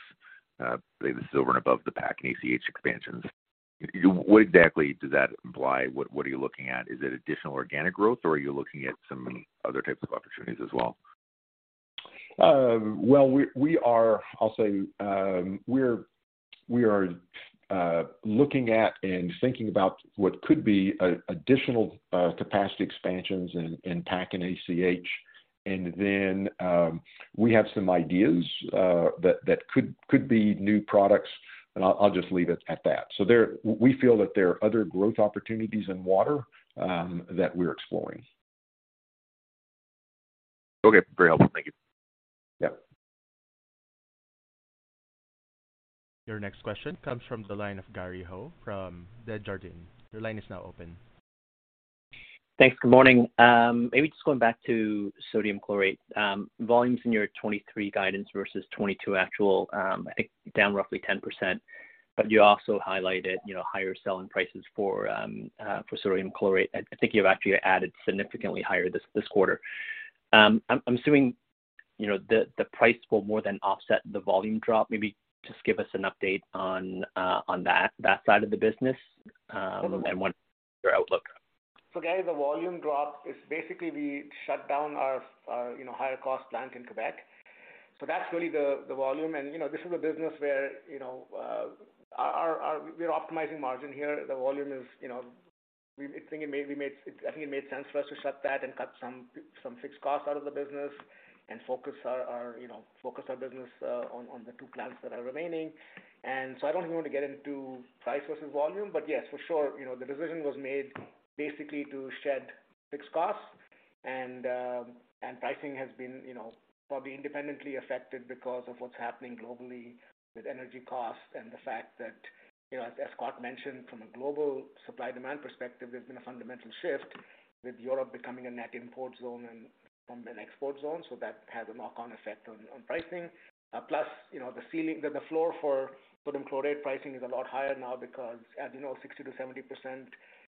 the silver and above the PAC and ACH expansions. What exactly does that imply? What are you looking at? Is it additional organic growth, or are you looking at some other types of opportunities as well? Well, we are, I'll say, we are looking at and thinking about what could be additional capacity expansions in PAC and ACH. We have some ideas that could be new products, and I'll just leave it at that. We feel that there are other growth opportunities in water that we're exploring. Okay. Very helpful. Thank you. Yeah. Your next question comes from the line of Gary Ho from Desjardins. Your line is now open. Thanks. Good morning. Maybe just going back to Sodium Chlorate. Volumes in your 2023 guidance versus 2022 actual, down roughly 10%. You also highlighted, you know, higher selling prices for Sodium Chlorate. I think you've actually added significantly higher this quarter. I'm assuming, you know, the price will more than offset the volume drop. Maybe just give us an update on that side of the business to your outlook. Gary, the volume drop is basically we shut down our, you know, higher cost plant in Quebec. That's really the volume. You know, this is a business where, you know, we're optimizing margin here. The volume is, you know, I think it made sense for us to shut that and cut some fixed costs out of the business and focus our, you know, focus our business on the two plants that are remaining. I don't want to get into price versus volume, but yes, for sure, you know, the decision was made basically to shed fixed costs. Pricing has been, you know, probably independently affected because of what's happening globally with energy costs and the fact that, you know, as Scott mentioned, from a global supply demand perspective, there's been a fundamental shift with Europe becoming a net import zone and from an export zone. That has a knock-on effect on pricing. Plus, you know, the floor for Sodium Chlorate pricing is a lot higher now because, as you know, 60%-70%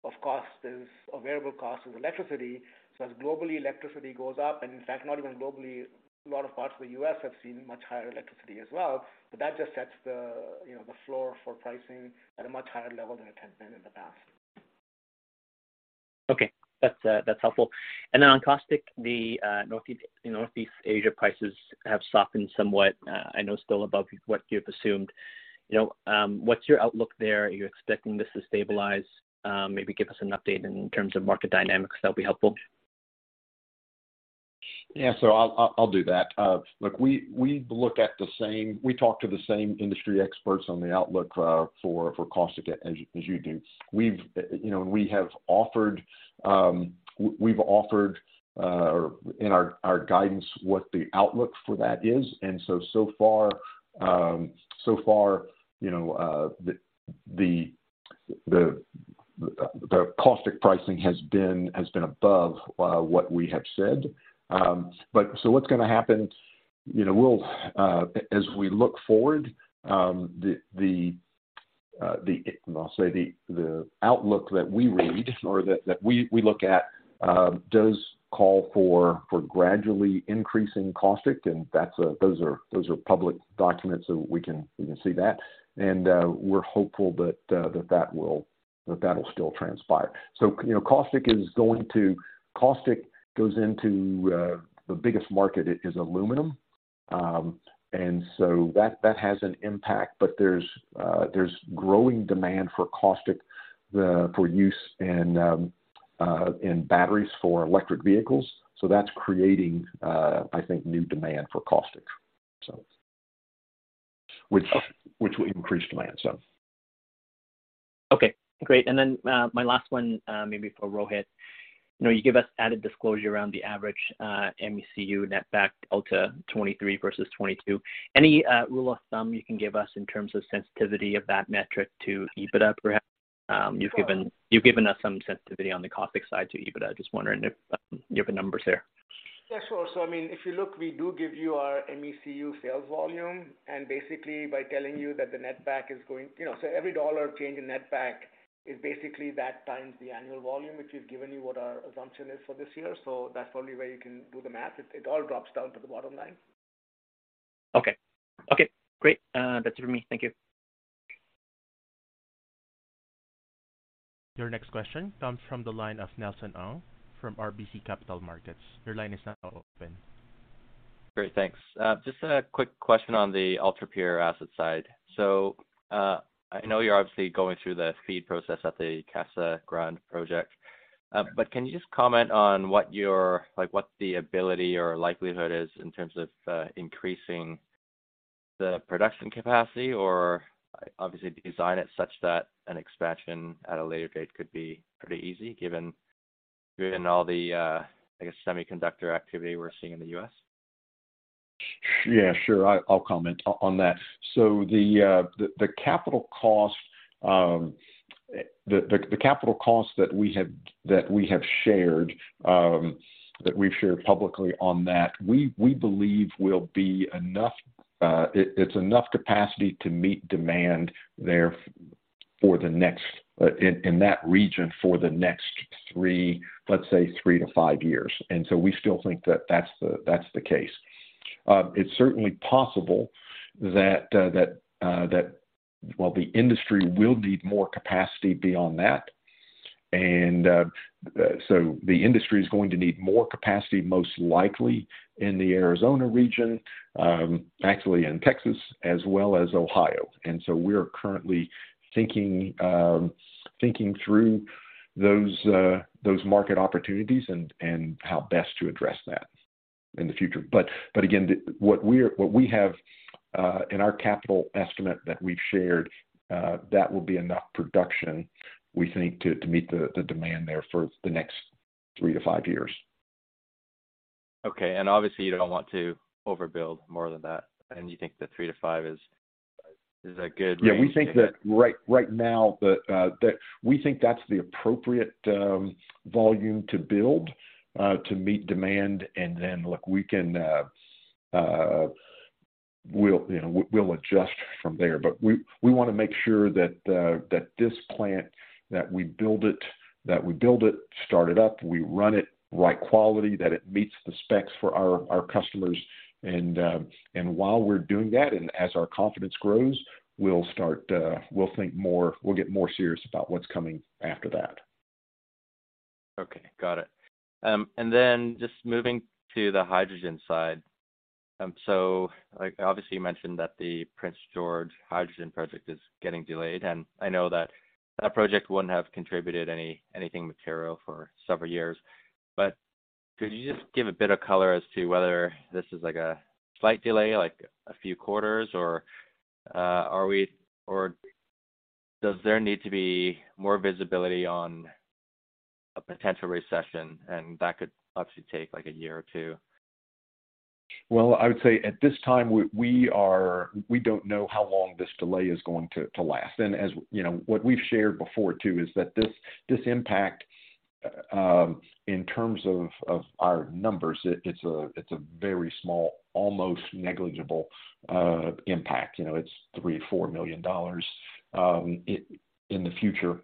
of cost is, of variable cost is electricity. As globally electricity goes up, and in fact, not even globally, a lot of parts of the U.S. have seen much higher electricity as well. That just sets the, you know, the floor for pricing at a much higher level than it has been in the past. Okay. That's helpful. On caustic, the Northeast Asia prices have softened somewhat. I know still above what you've assumed. You know, what's your outlook there? Are you expecting this to stabilize? Maybe give us an update in terms of market dynamics. That'll be helpful. Yeah, I'll do that. Look, we look at the same. We talk to the same industry experts on the outlook for caustic as you do. We've, you know, and we have offered-- We've offered in our guidance what the outlook for that is. So far, you know, the caustic pricing has been above what we have said. What's gonna happen, you know, we'll, as we look forward, I'll say the outlook that we read or that we look at, does call for gradually increasing caustic. That's, those are public documents, so we can see that. We're hopeful that that'll still transpire. You know, caustic goes into the biggest market is aluminum. That has an impact. There's growing demand for caustic, for use in batteries for electric vehicles. That's creating, I think new demand for caustic, so. Which will increase demand, so. Okay, great. My last one, maybe for Rohit. You know, you give us added disclosure around the average MECU netback MECU 2023 versus 2022. Any rule of thumb you can give us in terms of sensitivity of that metric to EBITDA perhaps? You've given us some sensitivity on the caustic side to EBITDA. Just wondering if you have the numbers there. Sure. I mean, if you look, we do give you our MECU sales volume, and basically by telling you that the netback is going-- You know, every dollar change in netback is basically that times the annual volume, which we've given you what our assumption is for this year. That's probably where you can do the math. It all drops down to the bottom line. Okay, great. That's it for me. Thank you. Your next question comes from the line of Nelson Ng from RBC Capital Markets. Your line is now open. Great, thanks. Just a quick question on the UltraPure asset side. I know you're obviously going through the FEED process at the Casa Grande project. Can you just comment on what the ability or likelihood is in terms of increasing the production capacity? Obviously design it such that an expansion at a later date could be pretty easy given all the, I guess, semiconductor activity we're seeing in the U.S. Yeah, sure. I'll comment on that. The capital cost that we have shared, that we've shared publicly on that, we believe will be enough. It's enough capacity to meet demand there for the next, in that region for the next three, let's say three-five years. We still think that's the case. It's certainly possible that while the industry will need more capacity beyond that, the industry is going to need more capacity, most likely in the Arizona region, actually in Texas as well as Ohio. We are currently thinking through those market opportunities and how best to address that in the future. Again, what we have in our capital estimate that we've shared, that will be enough production, we think to meet the demand there for the next three to five years. Okay. Obviously you don't want to overbuild more than that, and you think the three-five is a good range to hit. Yeah. We think that's the appropriate volume to build to meet demand. Look, we'll, you know, we'll adjust from there. We wanna make sure that this plant, that we build it, start it up, we run it right quality, that it meets the specs for our customers. While we're doing that, as our confidence grows, we'll start, we'll think more, we'll get more serious about what's coming after that. Okay, got it. Then just moving to the hydrogen side. Like obviously you mentioned that the Prince George hydrogen project is getting delayed, and I know that that project wouldn't have contributed anything material for several years. Could you just give a bit of color as to whether this is like a slight delay, like a few quarters or or does there need to be more visibility on a potential recession? That could obviously take like a year or two. Well, I would say at this time we don't know how long this delay is going to last. As, you know, what we've shared before too is that this impact in terms of our numbers, it's a very small, almost negligible impact. You know, it's 3 million-4 million dollars in the future.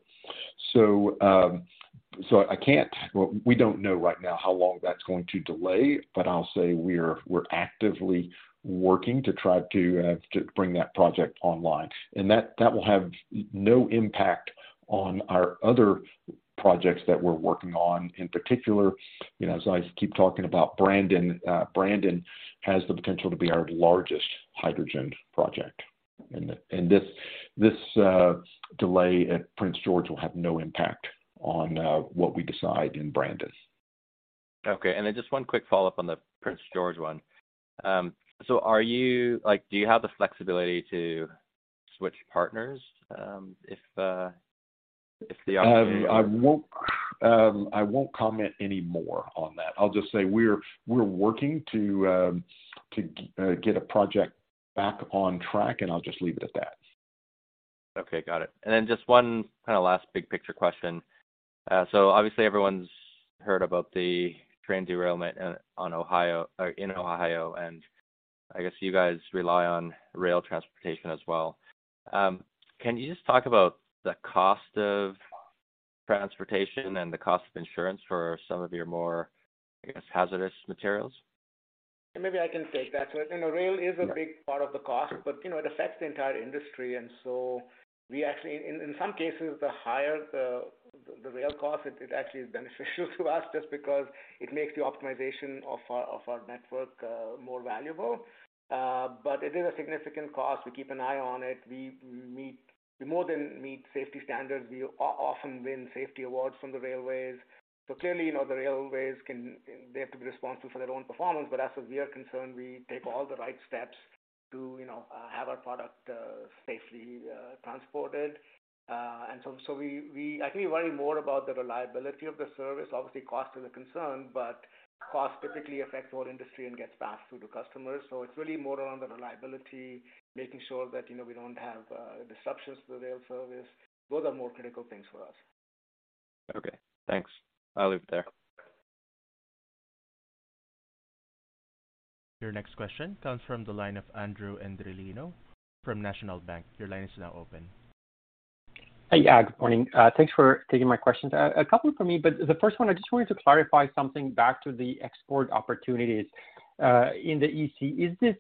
We don't know right now how long that's going to delay, but I'll say we're actively working to try to bring that project online. That will have no impact on our other projects that we're working on. In particular, you know, as I keep talking about Brandon has the potential to be our largest hydrogen project. This delay at Prince George will have no impact on what we decide in Brandon. Okay. Just one quick follow-up on the Prince George one. Like, do you have the flexibility to switch partners, if the opportunity-- I won't, I won't comment any more on that. I'll just say we're working to get a project back on track, and I'll just leave it at that. Okay, got it. Just one kind of last big picture question. Obviously everyone's heard about the train derailment on Ohio or in Ohio, and I guess you guys rely on rail transportation as well. Can you just talk about the cost of transportation and the cost of insurance for some of your more, I guess, hazardous materials? Maybe I can take that. You know, rail is a big part of the cost, but, you know, it affects the entire industry. We actually in some cases the higher the rail cost it actually is beneficial to us just because it makes the optimization of our, of our network more valuable. It is a significant cost. We keep an eye on it. We more than meet safety standards. We often win safety awards from the railways. Clearly, you know, the railways can, they have to be responsible for their own performance. As we are concerned, we take all the right steps to, you know, have our product safely transported. We actually worry more about the reliability of the service. Obviously, cost is a concern, cost typically affects the whole industry and gets passed through to customers. It's really more around the reliability, making sure that, you know, we don't have disruptions to the rail service. Those are more critical things for us. Okay, thanks. I'll leave it there. Your next question comes from the line of Andrew-- Endri Leno from National Bank. Your line is now open. Hey. Yeah, good morning. Thanks for taking my questions. A couple for me, but the first one, I just wanted to clarify something back to the export opportunities in the EC. Is this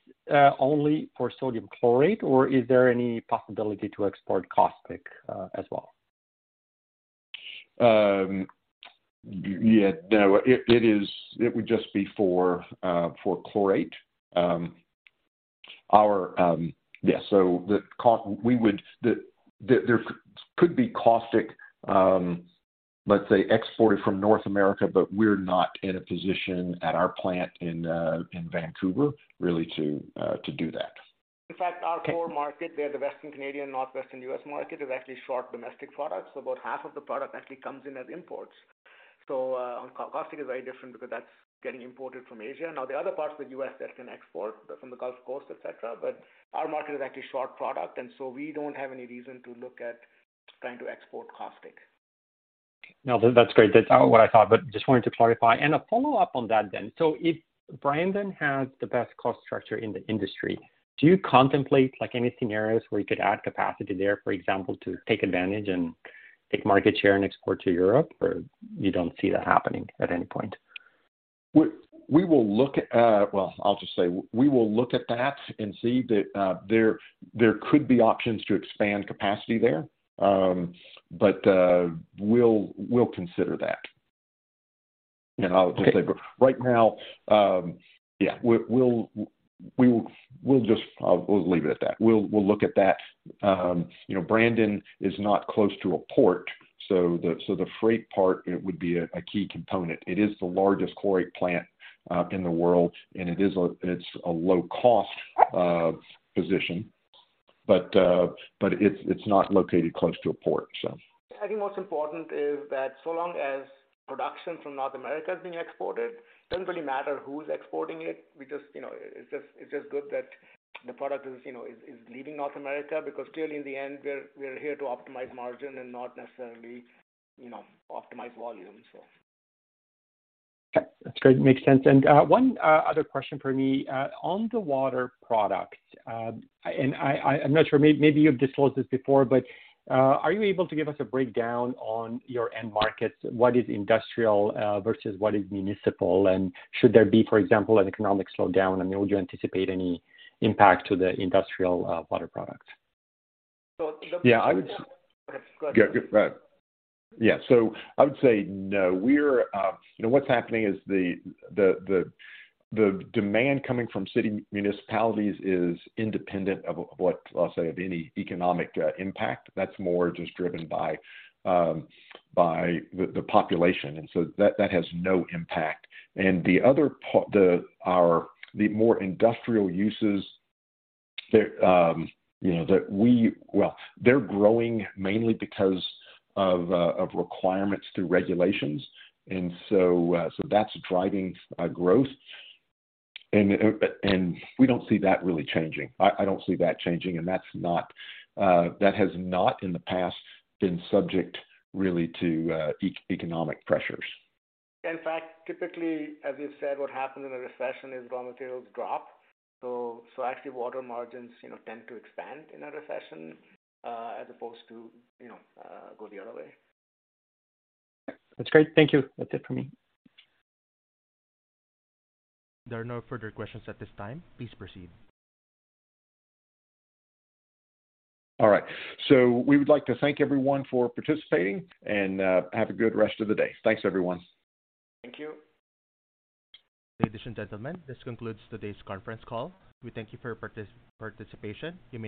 only for Sodium Chlorate, or is there any possibility to export caustic as well? Yeah, no, it would just be for chlorate. Our-- yeah. There could be caustic, let's say, exported from North America, but we're not in a position at our plant in Vancouver really to do that. In fact, our core market, there the Western Canadian, Northwestern U.S. market, is actually short domestic products. About half of the product actually comes in as imports. On caustic is very different because that's getting imported from Asia. The other parts of the U.S. that can export from the Gulf Coast, et cetera, but our market is actually short product, and so we don't have any reason to look at trying to export caustic. No, that's great. That's what I thought, but just wanted to clarify. A follow-up on that then. If Brandon has the best cost structure in the industry, do you contemplate like any scenarios where you could add capacity there, for example, to take advantage and take market share and export to Europe, or you don't see that happening at any point? We will look at. I'll just say, we will look at that and see that there could be options to expand capacity there. We'll consider that. I'll just say right now, yeah, we'll just leave it at that. We'll look at that. You know, Brandon is not close to a port, so the freight part it would be a key component. It is the largest chlorate plant in the world, and it is a low cost position. It's not located close to a port, so. I think most important is that so long as production from North America is being exported, doesn't really matter who's exporting it. We just, you know, it's just good that the product is, you know, is leaving North America because clearly in the end, we're here to optimize margin and not necessarily, you know, optimize volume, so. Okay. That's great. Makes sense. One other question for me. On the water product, and I'm not sure, maybe you've disclosed this before, but are you able to give us a breakdown on your end markets? What is industrial versus what is municipal? Should there be, for example, an economic slowdown, I mean, would you anticipate any impact to the industrial water product? So in the-- Go ahead. Yeah. I would say no. We're, you know, what's happening is the demand coming from city municipalities is independent of what, I'll say, of any economic impact. That's more just driven by the population. That, that has no impact. The more industrial uses that, you know, that we-- Well, they're growing mainly because of requirements through regulations. So that's driving growth. We don't see that really changing. I don't see that changing, and that's not, that has not in the past been subject really to economic pressures. In fact, typically, as you said, what happens in a recession is raw materials drop. Actually water margins, you know, tend to expand in a recession, as opposed to, you know, go the other way. That's great. Thank you. That's it for me. There are no further questions at this time. Please proceed. All right. We would like to thank everyone for participating, and have a good rest of the day. Thanks, everyone. Thank you. Ladies and gentlemen, this concludes today's conference call. We thank you for participation. You may